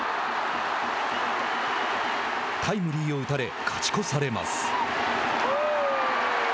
タイムリーを打たれ勝ち越されます。